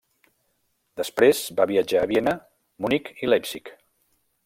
Després va viatjar a Viena, Munic i Leipzig.